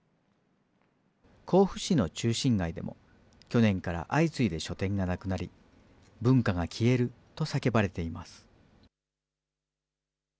甲府市の中心街でも、去年から相次いで書店がなくなり、文化が消えると叫ばれています。